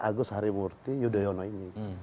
agus harimurti yudhoyono ini